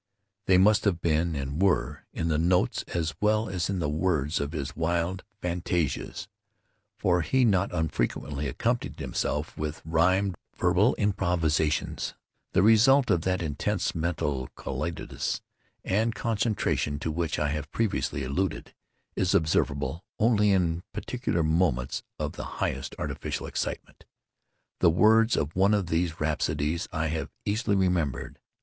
They must have been, and were, in the notes, as well as in the words of his wild fantasias (for he not unfrequently accompanied himself with rhymed verbal improvisations), the result of that intense mental collectedness and concentration to which I have previously alluded as observable only in particular moments of the highest artificial excitement. The words of one of these rhapsodies I have easily remembered.